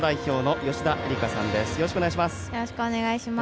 よろしくお願いします。